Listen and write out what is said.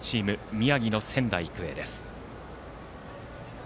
宮城の仙台育英です。